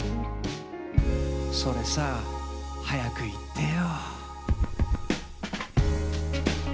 それさ早く言ってよ。